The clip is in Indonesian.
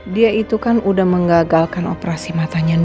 dia itu kan udah menggagalkan operasi matanya